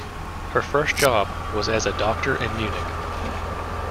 Her first job was as a doctor in Munich.